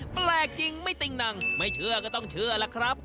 แปลกจริงไม่ติ่งนังไม่เชื่อก็ต้องเชื่อล่ะครับ